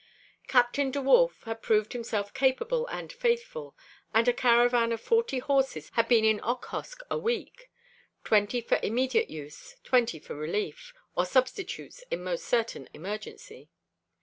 Captain D'Wolf had proved himself capable and faithful, and a caravan of forty horses had been in Okhotsk a week; twenty for immediate use, twenty for relief, or substitutes in almost certain emergency.